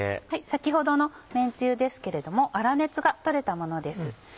先ほどのめんつゆですけれども粗熱がとれたものです。